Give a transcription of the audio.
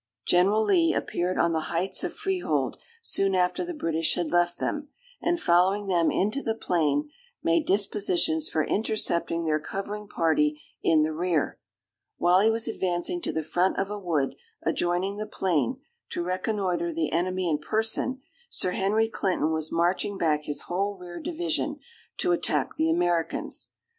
General Lee appeared on the heights of Freehold, soon after the British had left them; and, following them into the plain, made dispositions for intercepting their covering party in the rear. While he was advancing to the front of a wood, adjoining the plain, to reconnoitre the enemy in person, Sir Henry Clinton was marching back his whole rear division, to attack the Americans.